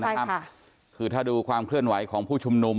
คือถ้าดูความเคลื่อนไหวของผู้ชุมนุม